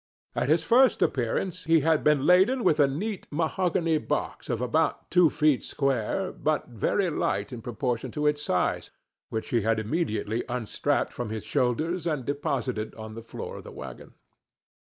At his first appearance he had been laden with a neat mahogany box of about two feet square, but very light in proportion to its size, which he had immediately unstrapped from his shoulders and deposited on the floor of the wagon.